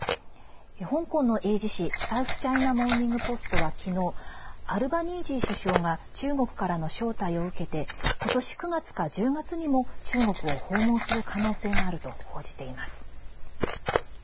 香港の英字紙サウスチャイナ・モーニングポストは昨日アルバニージー首相が中国からの招待を受けて今年９月か１０月にも中国を訪問する可能性があると報じています。